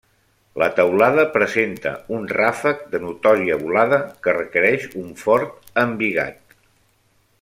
La teulada presenta un ràfec de notòria volada que requereix un fort embigat.